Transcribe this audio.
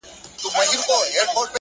هغه ليوني ټوله زار مات کړی دی-